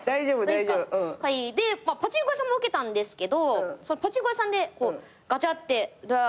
でパチンコ屋さんも受けたんですけどパチンコ屋さんでガチャってドアを開けて。